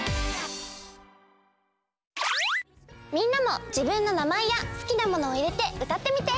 みんなもじぶんの名まえやすきなものを入れてうたってみて！